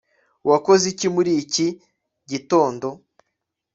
wakoze iki muri iki gitondo